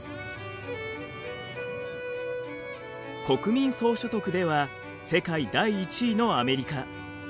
国民総所得では世界第１位のアメリカ。